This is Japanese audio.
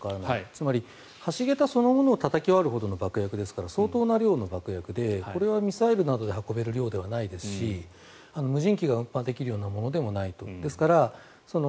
つまり橋桁をたたき割るほどの爆薬ですから相当な量の爆薬でこれはミサイルなどで運べる量ではないですし無人機が運搬できるようなものでもない。